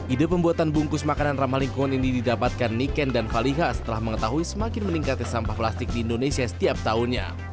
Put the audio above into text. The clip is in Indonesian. ide pembuatan bungkus makanan ramah lingkungan ini didapatkan niken dan faliha setelah mengetahui semakin meningkatnya sampah plastik di indonesia setiap tahunnya